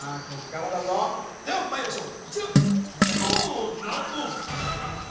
こっからだぞではまいりましょうこちら